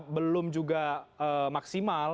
belum juga maksimal